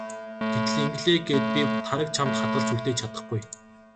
Гэтэл ингэлээ гээд би Тараг чамд хадгалж үлдээж чадахгүй.